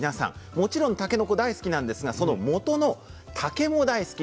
もちろんたけのこ大好きなんですがそのもとの竹も大好き。